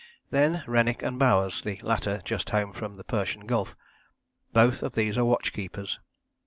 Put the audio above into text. Then Rennick and Bowers, the latter just home from the Persian Gulf both of these are watchkeepers.